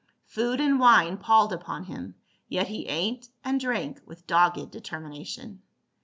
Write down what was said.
Food and wine palled upon him, yet he ate and drank with dogged determination.